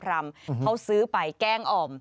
รำเขาซื้อไปแกล้งอ่อม